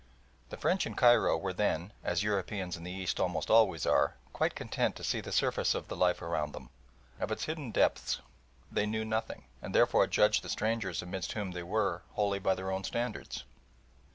The French in Cairo were then, as Europeans in the East almost always are, quite content to see the surface of the life around them. Of its hidden depths they knew nothing, and therefore judged the strangers amidst whom they were wholly by their own standards.